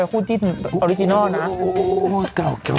ไปคู่ที่ออริจินัลนะโอร์โหโหกับเก่ากัน